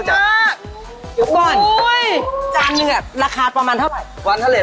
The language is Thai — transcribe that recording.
จานนี่อ่ะราคาประมาณเท่าไหร่๑๕๐บาทครับ